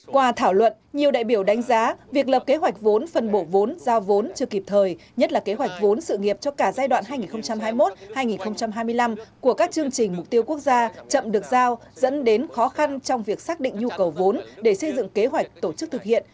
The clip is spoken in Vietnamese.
qua thảo luận nhiều đại biểu đánh giá việc lập kế hoạch vốn phân bổ vốn giao vốn chưa kịp thời nhất là kế hoạch vốn sự nghiệp cho cả giai đoạn hai nghìn hai mươi một hai nghìn hai mươi năm của các chương trình mục tiêu quốc gia chậm được giao dẫn đến khó khăn trong việc xác định nhu cầu vốn để xây dựng kế hoạch tổ chức thực hiện